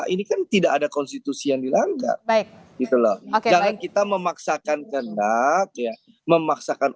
ini kan tidak ada konstitusi yang dilanggar baik gitu loh jangan kita memaksakan kendak ya memaksakan